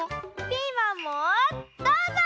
ピーマンもどうぞ！